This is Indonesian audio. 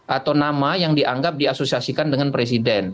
atau nama yang dianggap diasosiasikan dengan presiden